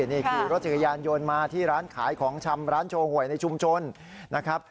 นี่ขี่รถจักรยานยนต์มาที่ร้านขายของชำร้านโชว์หวยในชุมชนนะครับ